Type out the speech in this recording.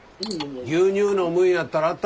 牛乳飲むんやったらあっためなあかん。